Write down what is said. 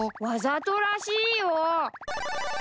わざとらしいよ！